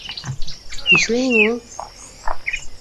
Нишләйһең ул?!